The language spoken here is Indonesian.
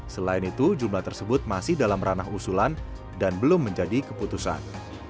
selain itu jumlah tersebut masih dalam ranah usulan dan belum menjadi keputusan